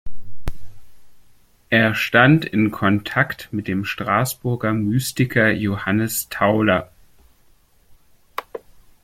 Er stand in Kontakt mit dem Straßburger Mystiker Johannes Tauler.